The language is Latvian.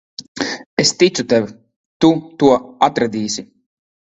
Es ticu tev. Tu to atradīsi.